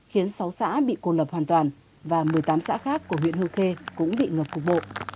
khiến sáu xã bị cô lập hoàn toàn và một mươi tám xã khác của huyện hương khê cũng bị ngập cục bộ